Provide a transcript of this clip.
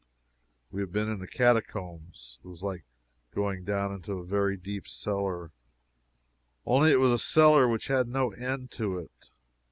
We have been in the catacombs. It was like going down into a very deep cellar, only it was a cellar which had no end to it.